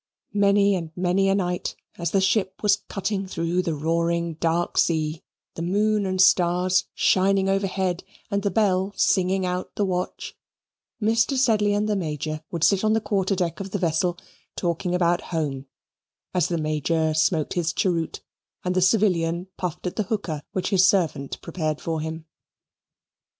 Many and many a night as the ship was cutting through the roaring dark sea, the moon and stars shining overhead and the bell singing out the watch, Mr. Sedley and the Major would sit on the quarter deck of the vessel talking about home, as the Major smoked his cheroot and the civilian puffed at the hookah which his servant prepared for him.